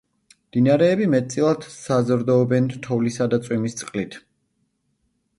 მდინარეები მეტწილად საზრდოობენ თოვლისა და წვიმის წყლით.